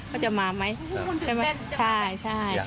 ใครชวนกันแถวเลย